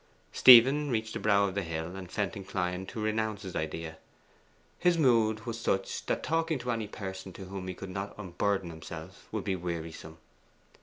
Stephen reached the brow of the hill, and felt inclined to renounce his idea. His mood was such that talking to any person to whom he could not unburden himself would be wearisome.